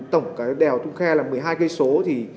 tổng đèo thung khe là một mươi hai km